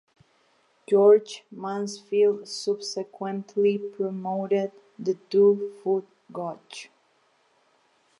George Mansfield subsequently promoted the two foot gauge.